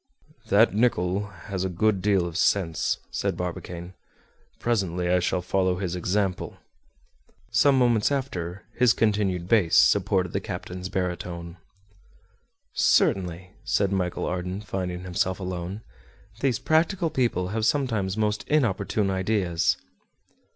"That Nicholl has a good deal of sense," said Barbicane; "presently I shall follow his example." Some moments after his continued bass supported the captain's baritone. "Certainly," said Michel Ardan, finding himself alone, "these practical people have sometimes most opportune ideas."